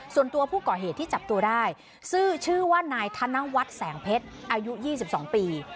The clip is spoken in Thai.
ส่วนตัวผู้ก่อเหตุที่จับตัวได้ชื่อว่านายธนวัฒน์แสงเพชรอายุ๒๒ปี